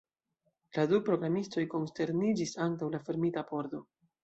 La du programistoj konsterniĝis antaŭ la fermita pordo.